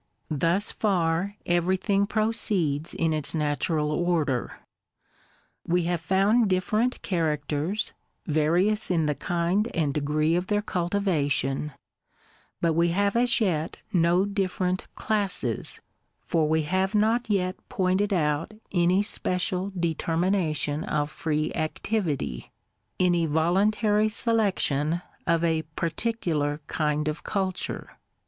Thus far everything proceeds in its natural order: We have found different characters, various in the kind and degree of their cultivation; but we have as yet no different \ for we have not yet pointed out any special deter mination of free activity, — any voluntary selection of a par ticular kind of culture.